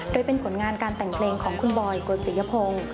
โดยเป็นผลงานการแต่งเพลงของคุณบอยกฎศิยพงศ์